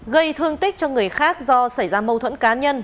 gây thương tích cho người khác do xảy ra mâu thuẫn cá nhân